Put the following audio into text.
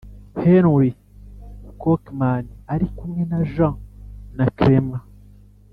Henry Cockman ari kumwe na Jean na Clement